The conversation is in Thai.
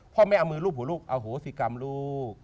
ลูกขอแม่มือลูกหัวลูกเอาหูสิกรรมลูก